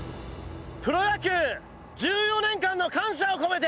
プロ野球１４年間の感謝を込めて。